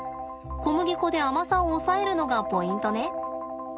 小麦粉で甘さを抑えるのがポイントね。